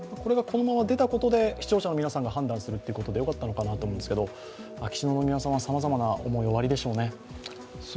これがこのまま出たことで視聴者の皆さんが判断するということでよかったのかなと思いますが秋篠宮さま、さまざまな思い、おありでしょうね。